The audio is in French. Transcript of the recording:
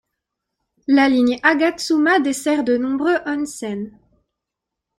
La ligne Agatsuma dessert de nombreux onsen.